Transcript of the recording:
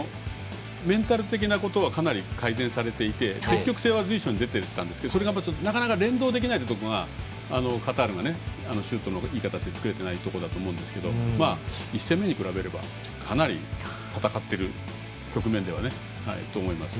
メンタル的なことはかなり改善されていて積極性は随所に出ていたんですけどそれがなかなか連動できないところがカタールがシュートのいい形を作れてないところだと思うんですけど１戦目に比べればかなり戦っている局面だと思います。